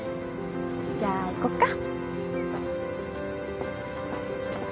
じゃあ行こっか。